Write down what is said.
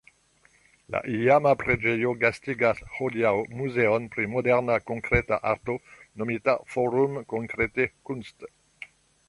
La iama preĝejo gastigas hodiaŭ muzeon pri moderna konkreta arto nomita "Forum Konkrete Kunst".